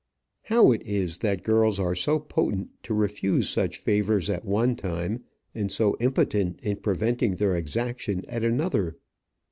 How is it that girls are so potent to refuse such favours at one time, and so impotent in preventing their exaction at another?